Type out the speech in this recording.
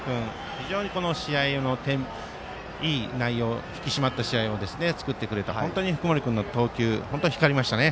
非常にこの試合のいい内容引き締まった内容を作ってくれた本当に福盛君の投球が光りましたね。